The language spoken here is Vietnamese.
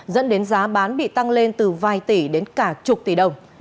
dẫn đến giá bán bị tăng lên từ vài tỷ đến cả chục tỷ đồng